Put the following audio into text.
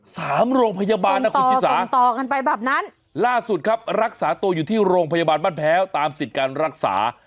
สามโรงพยาบาลนะคุณชิสาต่อกันไปแบบนั้นล่าสุดครับรักษาตัวอยู่ที่โรงพยาบาลบ้านแพ้วตามสิทธิ์การรักษา